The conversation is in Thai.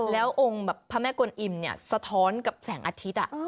แล้วองค์แบบพระแม่กวนอิมเนี่ยสะท้อนกับแสงอาทิตย์